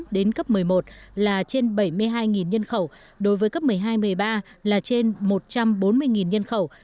đến cấp một mươi một là trên bảy mươi hai nhân khẩu đối với cấp một mươi hai một mươi ba là trên một trăm bốn mươi nhân khẩu